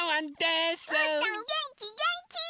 うーたんげんきげんき！